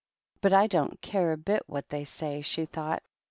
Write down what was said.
" But I don't care a bit what tl say," she thought.